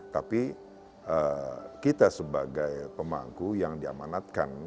tapi kita sebagai pemangku yang diamanatkan